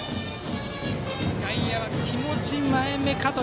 外野は気持ち前めか。